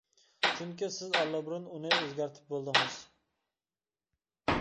چۈنكى سىز ئاللىبۇرۇن ئۇنى ئۆزگەرتىپ بولدىڭىز.